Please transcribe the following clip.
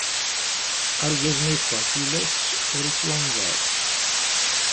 Argaz ma iffeɣ tilas, ur ittwandaṛ.